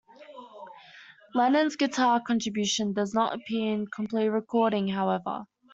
Lennon's guitar contribution does not appear on the completed recording, however.